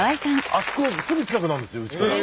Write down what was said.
あそこすぐ近くなんですようちから。